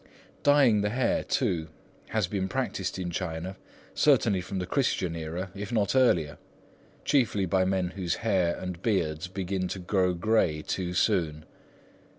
Dyeing the hair, too, has been practised in China certainly from the Christian era, if not earlier, chiefly by men whose hair and beards begin to grow grey too soon.